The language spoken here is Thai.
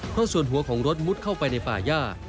เพราะส่วนหัวของรถมุดเข้าไปในป่าย่า